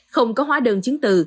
không có hóa đơn chiến từ